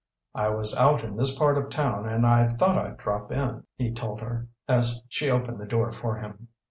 "I was out in this part of town and thought I'd drop in," he told her, as she opened the door for him.